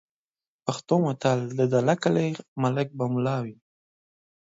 پښتو متل: "د دله کلي ملک به مُلا وي"